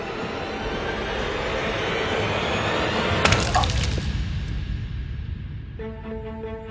あっ。